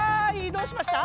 どうしました？